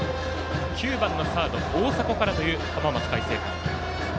９番のサード、大迫からという浜松開誠館。